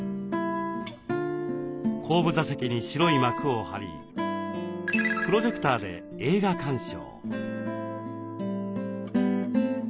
後部座席に白い幕を張りプロジェクターで映画鑑賞。